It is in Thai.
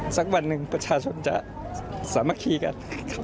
สักวันหนึ่งประชาชนจะสามัคคีกัน